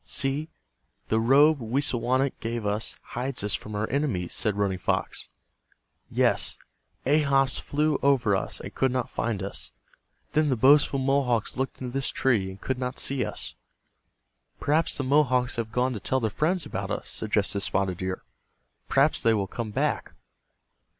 "See, the robe Wisawanik gave us hides us from our enemies," said Running Fox. "Yes, Ahas flew over us, and could not find us. Then the boastful Mohawks looked into this tree, and could not see us." "Perhaps the Mohawks have gone to tell their friends about us," suggested Spotted Deer. "Perhaps they will come back."